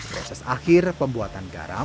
proses akhir pembuatan garam